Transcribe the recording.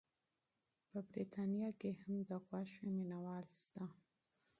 په بریتانیا کې هم د غوښې مینه وال شته.